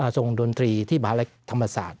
ทรงดนตรีที่มหาลัยธรรมศาสตร์